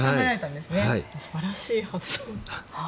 素晴らしい発想です。